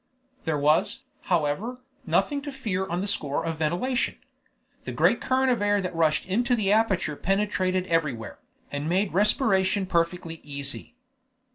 There was, however, nothing to fear on the score of ventilation. The great current of air that rushed into the aperture penetrated everywhere, and made respiration perfectly easy.